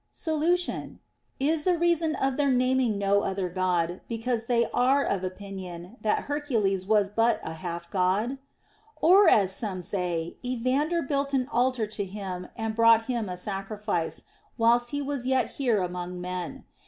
Solution. Is the reason of their naming no other God, because they are of opinion that Hercules was but a half God? And, as some say, Evander built an altar to him and brought him a sacrifice, whilst he was yet here among men.